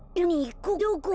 ここどこ？